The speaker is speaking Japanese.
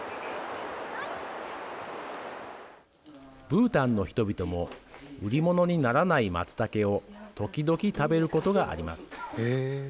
ブータンの人々も売り物にならないまつたけを時々食べることがあります。